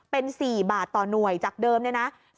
เป็น๔บาทต่อหน่วยจากเดิมเนี่ยนะ